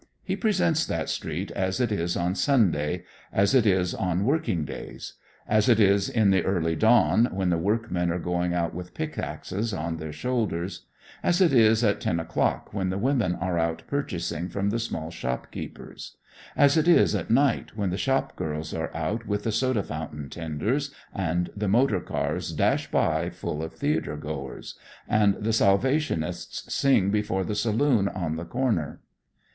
He presents that street as it is on Sunday, as it is on working days; as it is in the early dawn when the workmen are going out with pickaxes on their shoulders, as it is at ten o'clock when the women are out purchasing from the small shopkeepers, as it is at night when the shop girls are out with the soda fountain tenders and the motor cars dash by full of theatre goers, and the Salvationists sing before the saloon on the corner.